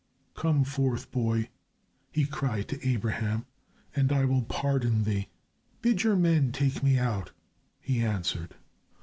"Come forth, boy," he cried to Abraham, "and I will pardon thee." "Bid your men take me out," he answered.